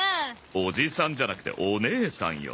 おじさんじゃなくてお姉さんよ。